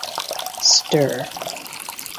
Sdr.